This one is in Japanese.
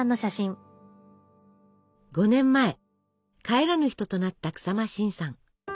５年前帰らぬ人となった日馬伸さん。